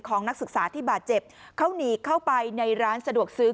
นักศึกษาที่บาดเจ็บเขาหนีเข้าไปในร้านสะดวกซื้อ